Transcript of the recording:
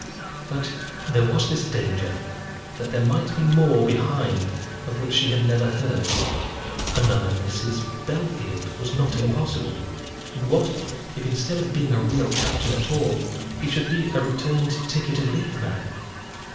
But there was this danger, that there might be more behind of which she had never heard. Another Mrs. Bellfield was not impossible; and what, if instead of being a real captain at all, he should be a returned ticket of leave man!